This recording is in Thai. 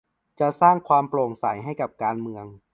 จะสร้างความโปร่งใสให้กับเมือง